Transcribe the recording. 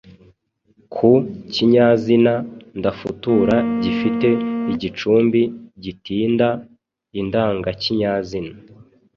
Ku kinyazina ndafutura gifite igicumbi gitinda indangakinyazina